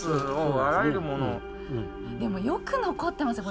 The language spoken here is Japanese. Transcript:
でもよく残ってますよ